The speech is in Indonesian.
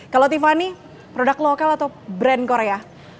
kalau tiffany produk lokal atau brand korea